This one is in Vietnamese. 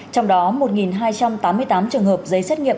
trong đó một hai trăm tám mươi tám trường hợp giấy xét nghiệm